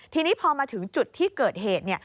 ทีนี้พอมาถึงจุดที่เกิดเหตุ